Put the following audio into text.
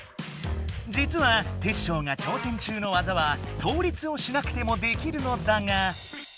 じつはテッショウがちょうせん中の技は倒立をしなくてもできるのだが。